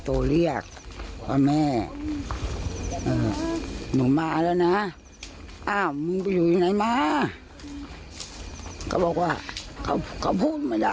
โตเรียกว่าแม่บ้างมาละนะเอ้ามงไปอยู่ไหนมาเหรอเขาบอกว่าเขาเขาพูดมาไม่ได้